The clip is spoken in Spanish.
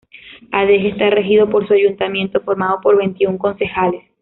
Adeje está regido por su ayuntamiento, formado por veintiún concejales.